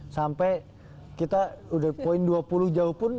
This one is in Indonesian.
sampai kita udah poin dua puluh jauh pun